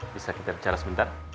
bisa kita bicara sebentar